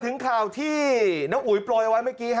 ถึงข่าวที่น้องอุ๋ยโปรยเอาไว้เมื่อกี้